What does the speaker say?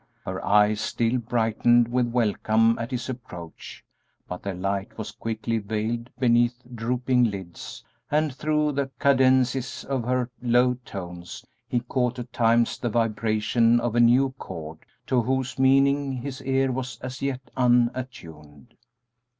Her eyes still brightened with welcome at his approach, but their light was quickly veiled beneath drooping lids, and through the cadences of her low tones he caught at times the vibration of a new chord, to whose meaning his ear was as yet unattuned.